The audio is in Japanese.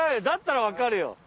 だったら分かるよ！